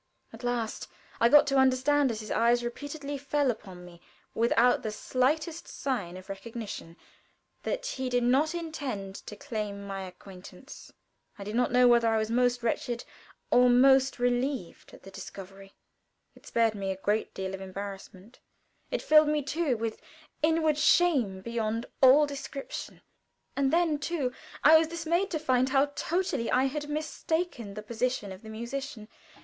At last I got to understand as his eyes repeatedly fell upon me without the slightest sign of recognition, that he did not intend to claim my acquaintance. I do not know whether I was most wretched or most relieved at the discovery. It spared me a great deal of embarrassment; it filled me, too, with inward shame beyond all description. And then, too, I was dismayed to find how totally I had mistaken the position of the musician.